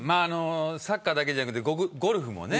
サッカーだけじゃなくてゴルフもね